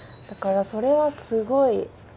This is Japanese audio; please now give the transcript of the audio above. だからそれはすごい。